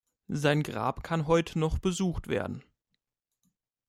Sein Grab kann heute noch besucht werden.